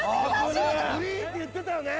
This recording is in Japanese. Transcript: グリーンって言ってたよね